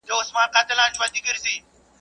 چي نه کار، په هغه دي څه کار.